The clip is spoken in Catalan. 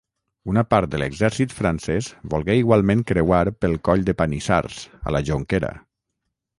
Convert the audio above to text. Una part de l'exèrcit francès volgué igualment creuar pel Coll de Panissars, a la Jonquera.